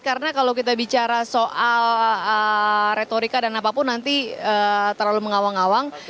karena kalau kita bicara soal retorika dan apapun nanti terlalu mengawang awang